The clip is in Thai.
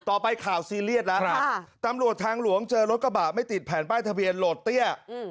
ข่าวซีเรียสแล้วตำรวจทางหลวงเจอรถกระบะไม่ติดแผ่นป้ายทะเบียนโหลดเตี้ย